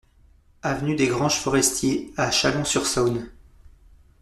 Avenue des Granges Forestiers à Chalon-sur-Saône